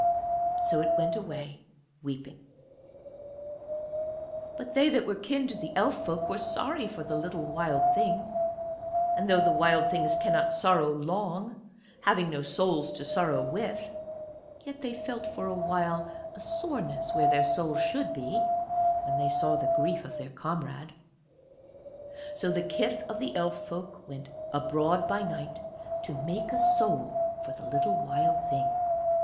So it went weeping away. But they that were kin to the Elf folk were sorry for the little Wild Thing; and though the Wild Things cannot sorrow long, having no souls to sorrow with, yet they felt for awhile a soreness where their souls should be, when they saw the grief of their comrade. So the kith of the Elf folk went abroad by night to make a soul for the little Wild Thing.